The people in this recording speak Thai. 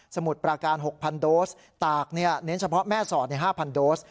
มุดประการ๖๐๐โดสตากเน้นเฉพาะแม่สอด๕๐๐โดส